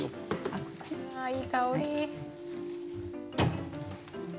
いい香り。